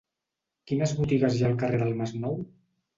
Quines botigues hi ha al carrer del Masnou?